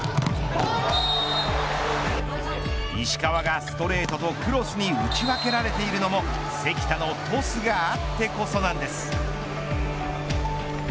石川がストレートとクロスに打ち分けられているのも関田のトスがあってこそなんです。